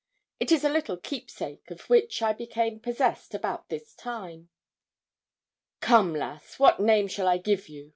It is a little keepsake, of which I became possessed about this time. 'Come, lass, what name shall I give you?'